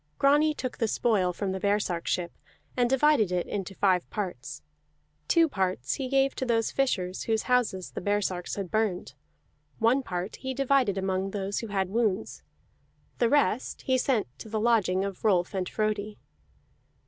Grani took the spoil from the baresark ship, and divided it into five parts. Two parts he gave to those fishers whose houses the baresarks had burned; one part he divided among those who had wounds; the rest he sent to the lodging of Rolf and Frodi.